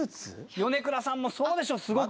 米倉さんもそうでしょすごく。